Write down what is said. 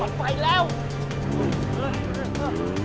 โอ้โฮไอ้ยุทธเลว